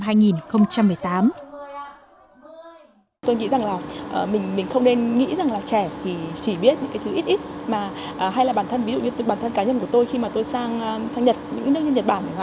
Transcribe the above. tôi nghĩ rằng là mình không nên nghĩ rằng là trẻ thì chỉ biết những cái thứ ít ít hay là bản thân ví dụ như bản thân cá nhân của tôi khi mà tôi sang nhật những nước như nhật bản chẳng hạn